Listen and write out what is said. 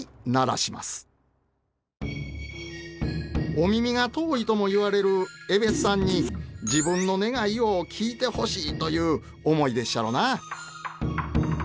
お耳が遠いとも言われるえべっさんに自分の願いを聞いてほしいという思いでっしゃろな。